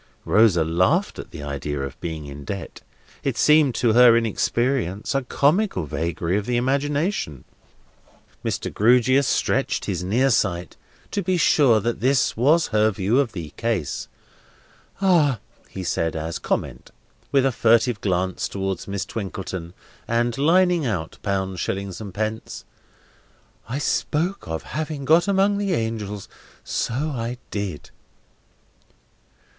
Rosa laughed at the idea of being in debt. It seemed, to her inexperience, a comical vagary of the imagination. Mr. Grewgious stretched his near sight to be sure that this was her view of the case. "Ah!" he said, as comment, with a furtive glance towards Miss Twinkleton, and lining out pounds, shillings, and pence: "I spoke of having got among the angels! So I did!"